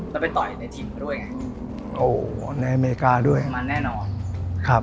แล้วไปต่อยในถิ่นเขาด้วยไงโอ้โหในอเมริกาด้วยมันแน่นอนครับ